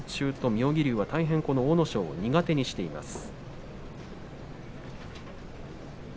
妙義龍は阿武咲を苦手にしています。